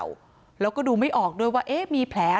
ตามลำตัวก็ดูไม่ออกค่ะว่าถูกทำร้ายก่อนจะเสียชีวิตหรือเปล่า